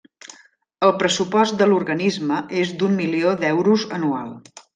El pressupost de l'organisme és d'un milió d'euros anual.